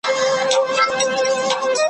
له جهاني څخه به اورو یو کتاب غزلي `